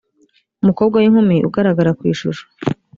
umukobwa w inkumi ugaragara ku ishusho